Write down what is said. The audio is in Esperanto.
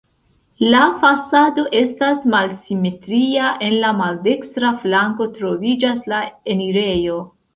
La fasado estas malsimetria, en la maldekstra flanko troviĝas la enirejo.